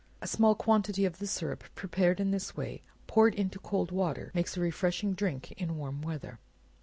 A small quantity of the syrup prepared in this way, poured into cold water, makes a refreshing drink in warm weather.